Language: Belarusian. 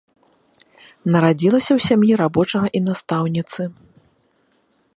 Нарадзілася ў сям'і рабочага і настаўніцы.